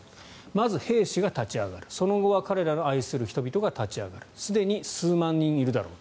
まず兵士が立ち上がる、その後は彼らの愛する人々が立ち上がるすでに数万人いるだろう